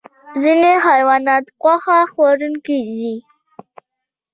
ځینې حیوانات غوښه خوړونکي دي